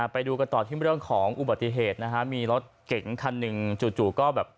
ไปดูกันต่อที่เรื่องของอุบัติเหตุนะฮะมีรถเก๋งคันหนึ่งจู่ก็แบบ